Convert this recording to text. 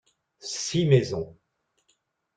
Six maisons.